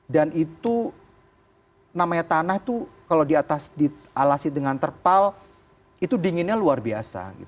dan itu namanya tanah itu kalau di atas dialasi dengan terpal itu dinginnya luar biasa